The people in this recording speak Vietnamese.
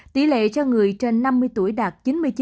tỷ lệ cho người trên năm mươi tuổi đạt chín mươi chín